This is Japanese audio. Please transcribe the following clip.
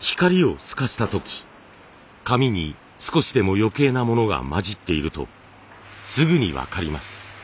光を透かした時紙に少しでも余計なものが混じっているとすぐに分かります。